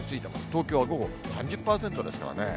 東京は午後３０％ですからね。